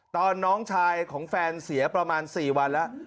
น้องชายของแฟนเสียประมาณ๔วันแล้ว